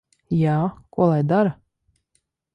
Jā. Ko lai dara?